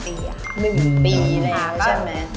๑ปีเลยใช่ไหม